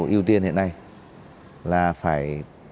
ưu tiên hiện nay là phải